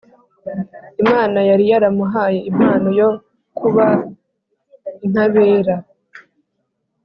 Imana yari yaramuhaye impano yo kuba intabera